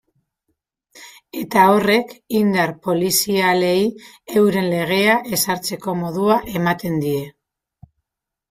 Eta horrek indar polizialei euren legea ezartzeko modua ematen die.